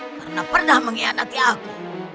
karena pernah mengkhianati aku